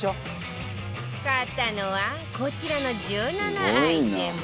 買ったのはこちらの１７アイテム